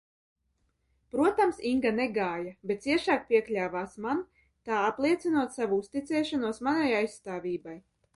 Protams Inga negāja, bet ciešāk piekļāvās man tā apliecinot savu uzticēšanos manai aizstāvībai.